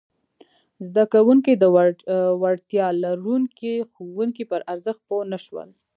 زده کوونکي د وړتیا لرونکي ښوونکي پر ارزښت پوه نه شول!